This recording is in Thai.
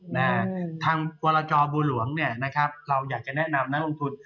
พี่หนิงครับส่วนตอนนี้เนี่ยนักลงทุนอยากจะลงทุนแล้วนะครับเพราะว่าระยะสั้นรู้สึกว่าทางสะดวกนะครับ